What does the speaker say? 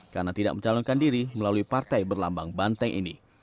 karena tidak mencalonkan diri melalui partai berlambang banteng ini